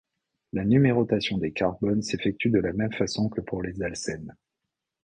La numérotation des carbones s'effectue de la même façon que pour les alcènes.